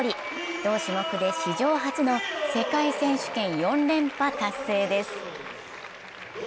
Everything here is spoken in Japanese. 同種目で史上初の世界選手権４連覇達成です。